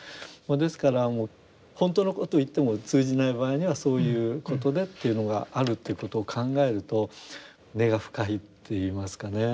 ですから本当のことを言っても通じない場合にはそういうことでというのがあるということを考えると根が深いっていいますかね。